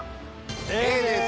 Ａです！